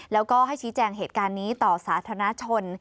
แล้วก็ให้ชี้แจงเหตุการณ์นี้ต่อสาธารณชน